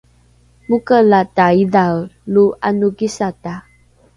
mokelaata idhae lo ’anokisata?